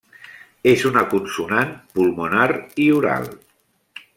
És una consonant pulmonar i oral.